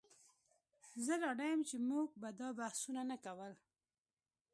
زه ډاډه یم چې موږ به دا بحثونه نه کول